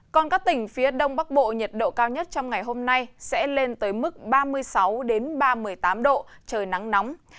còn các tỉnh phía đông bắc bộ nhiệt độ cao nhất trong ngày hôm nay sẽ lên tới mức ba mươi sáu ba mươi tám độ trời nắng nóng